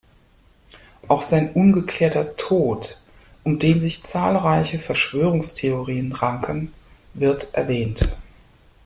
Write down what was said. Auch sein ungeklärter Tod, um den sich zahlreiche Verschwörungstheorien ranken, wird erwähnt.